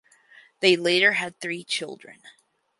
They later had three children.